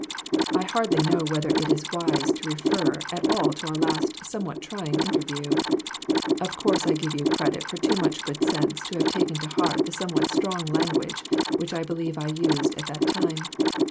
I hardly know whether it is wise to refer at all to our last somewhat trying interview. Of course I give you credit for too much good sense to have taken to heart the somewhat strong language which I believe I used at that time.